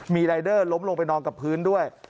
มีรายเดอร์ล้มลงไปนอนกับพื้นด้วย